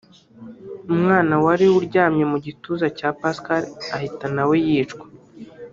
umwana wari uryamye mu gituza cya Pascal ahita na we yicwa